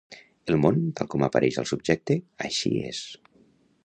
El món, tal com apareix al subjecte, així és.